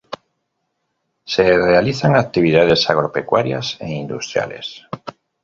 Se realizan actividades agropecuarias e industriales.